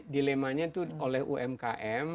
memang ini dilemanya itu oleh umkm